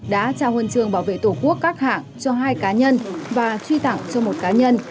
đã trao huân trường bảo vệ tổ quốc các hạng cho hai cá nhân và truy tặng cho một cá nhân